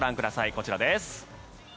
こちらです。